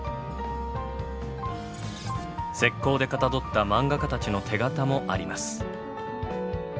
石膏でかたどったマンガ家たちの手型もあります。